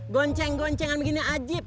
gonceng goncengan begini ajib